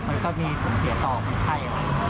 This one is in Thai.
มันก็มีศูนย์เสียต่อเป็นไข้